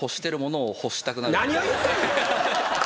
何を言ってんねん！